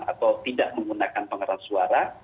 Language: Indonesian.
atau tidak menggunakan pengeras suara